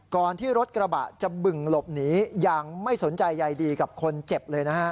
ก่อนที่รถกระบะจะบึงหลบหนียังไม่สนใจใยดีกับคนเจ็บเลยนะฮะ